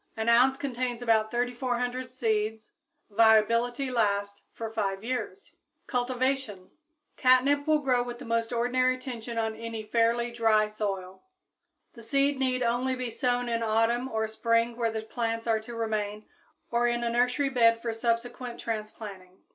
An ounce contains about 3,400 seeds. Viability lasts for five years. [Illustration: Catnip, Pussy's Delight] Cultivation. Catnip will grow with the most ordinary attention on any fairly dry soil. The seed need only be sown in autumn or spring where the plants are to remain or in a nursery bed for subsequent transplanting.